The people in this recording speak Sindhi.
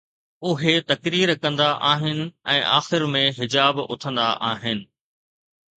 اهي تقرير ڪندا آهن ۽ آخر ۾ حجاب اٿندا آهن